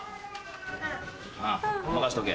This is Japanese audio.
任しとけ。